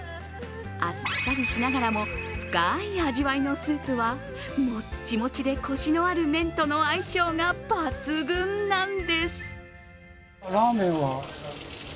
あっさりしながらも深い味わいのスープはもっちもちでこしのある麺との相性が抜群なんです。